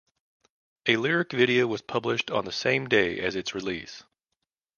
A lyric video was published on the same day as its release.